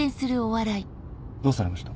どうされました？